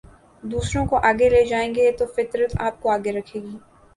دوسروں کو آگے لے جائیں گے تو فطرت آپ کو آگے رکھے گی